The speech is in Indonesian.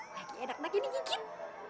lagi enak lagi di gigit